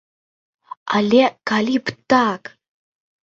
Але калі б так!